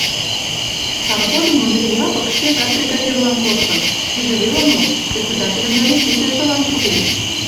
Сар годым Ондри Япык шкежат бригадирлан коштын, тиде веле мо, председательын заместительжылан шоген.